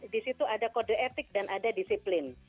di situ ada kode etik dan ada disiplin